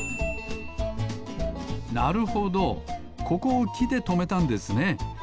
なるほどここをきでとめたんですね。